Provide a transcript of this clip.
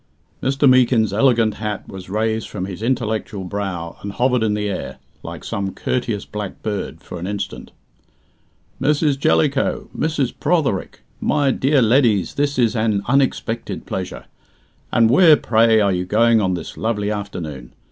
Mr. Meekin's elegant hat was raised from his intellectual brow and hovered in the air, like some courteous black bird, for an instant. "Mrs. Jellicoe! Mrs. Protherick! My dear leddies, this is an unexpected pleasure! And where, pray, are you going on this lovely afternoon?